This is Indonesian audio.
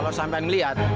kalau sampai ngeliat